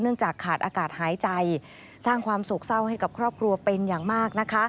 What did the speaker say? เนื่องจากขาดอากาศหายใจช่างความโสกเศร้าให้กับครอบครัวเป็นอย่างมาก